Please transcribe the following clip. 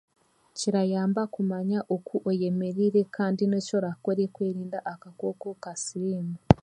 Kirayamba kumanya oku oyeemereire kandi n'eki oraakore kwerinda akakooko ka siriimu